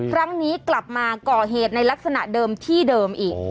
ครั้งนี้กลับมาก่อเหตุในลักษณะเดิมที่เดิมอีก